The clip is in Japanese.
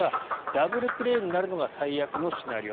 ダブルプレーになるのが最悪のシナリオ